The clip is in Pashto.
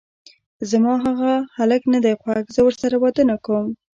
زما هغه هلک ندی خوښ، زه ورسره واده نکوم!